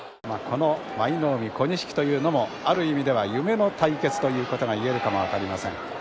まあ、この舞の海小錦というのも、ある意味では夢の対決ということが言えるかも分かりません。